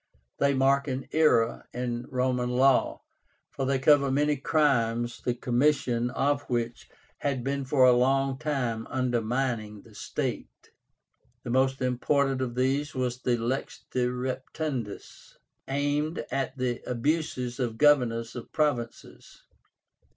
They mark an era in Roman law, for they cover many crimes the commission of which had been for a long time undermining the state. The most important of these was the LEX DE REPETUNDIS, aimed at the abuses of governors of provinces.